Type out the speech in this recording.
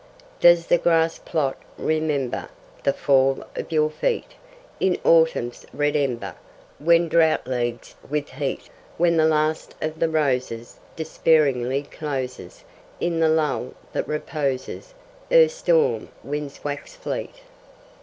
Does the grass plot remember The fall of your feet In Autumn's red ember When drought leagues with heat, When the last of the roses Despairingly closes In the lull that reposes Ere storm winds wax fleet?